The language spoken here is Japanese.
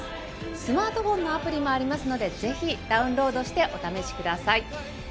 スマートフォンのアプリもありますのでぜひ、ダウンロードしてお試しください。